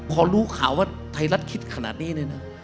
พอรู้ข่าวว่าไทยรัฐคิดขนาดนี้เลยนะ